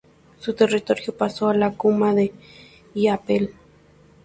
Su territorio pasó a la comuna de Illapel.